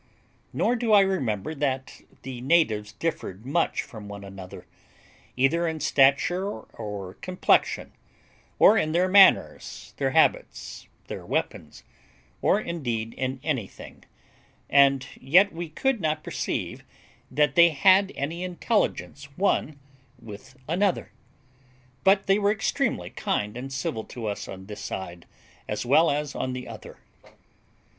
Nor do I remember that the natives differed much from one another, either in stature or complexion, or in their manners, their habits, their weapons, or indeed in anything; and yet we could not perceive that they had any intelligence one with another; but they were extremely kind and civil to us on this side, as well as on the other.